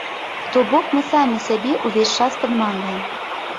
То бок мы самі сябе ўвесь час падманваем.